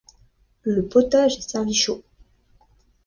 Le potage est servi chaud.